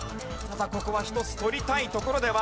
ただここは一つとりたいところではある。